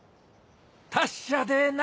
達者でな。